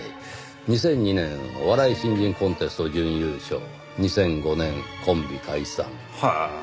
「２００２年お笑い新人コンテスト準優勝」「２００５年コンビ解散」へえ！